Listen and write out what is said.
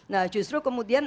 nah justru kemudian